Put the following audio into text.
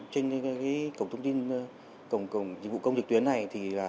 trên cổng dịch vụ công dịch tuyến này